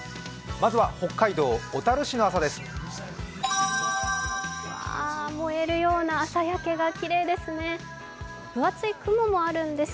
まずは北海道小樽市の朝です。